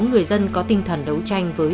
người dân có tinh thần đấu tranh với